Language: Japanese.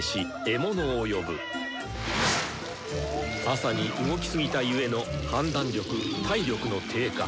朝に動きすぎたゆえの判断力・体力の低下。